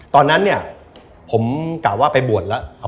ตอนนั้นเนี่ยผมกล่าวว่าไปบวชแล้ว